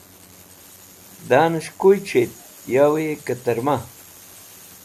Danẽs̃h kuy chit yawi kẽtẽrma.